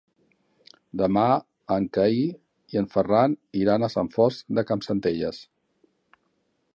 Demà en Cai i en Ferran iran a Sant Fost de Campsentelles.